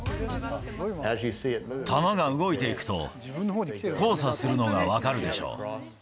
球が動いていくと、交差するのが分かるでしょう。